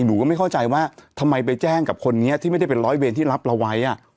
หนูก็ไม่เข้าใจว่าทำไมไปแจ้งกับคนนี้ที่ไม่ได้เป็นร้อยเวรที่รับเราไว้